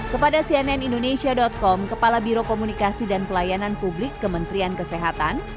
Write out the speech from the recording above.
kepada cnn indonesia com kepala biro komunikasi dan pelayanan publik kementerian kesehatan